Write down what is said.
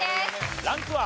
ランクは？